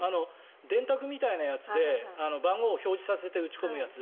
電卓みたいなやつで番号を表示させて打ち込むやつ。